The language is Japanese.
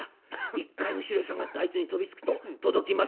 「一回後ろへ下がってあいつに飛びつくと届きます」。